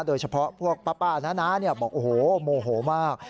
โดยเฉพาะพวกป๊าป้านานาเนี่ยบอกโอ้โหโอโหมาก